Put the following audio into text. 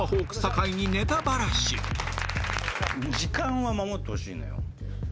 時間は守ってほしいのよ。